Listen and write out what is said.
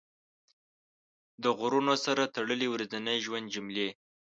د غرونو سره تړلې ورځني ژوند جملې